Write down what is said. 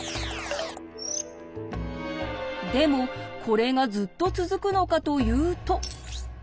でもこれがずっと続くのかというと。